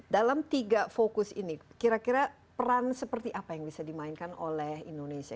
dalam tiga fokus ini kira kira peran seperti apa yang bisa dimainkan oleh indonesia